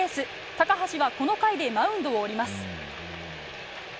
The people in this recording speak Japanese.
高橋はこの回でマウンドを降ります。